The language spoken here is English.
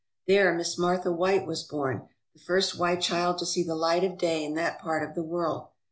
There Miss Martha White was born, the first white child to see the light of day in that part of the world.